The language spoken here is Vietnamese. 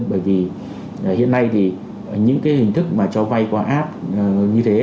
bởi vì hiện nay thì những cái hình thức mà cho vay qua app như thế